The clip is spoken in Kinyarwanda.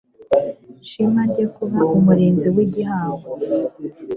shema ryo kuba Umurinzi w igihango